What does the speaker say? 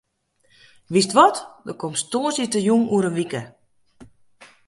Wist wat, dan komst tongersdeitejûn oer in wike.